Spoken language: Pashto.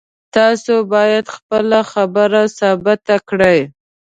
تاسو باید خپله خبره ثابته کړئ